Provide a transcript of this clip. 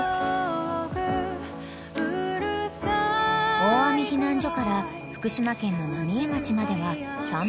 ［おーあみ避難所から福島県の浪江町までは］